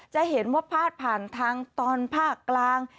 จะเห็นว่าพาดผ่านทางตอนภาคกลาง